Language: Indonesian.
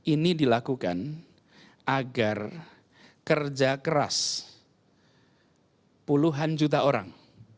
ini dilakukan agar kerja keras puluhan juta orang